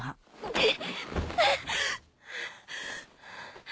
えっ？